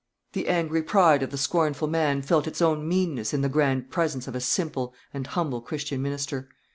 The angry pride of the scornful man felt its own meanness in the grand presence of a simple and humble Christian minister.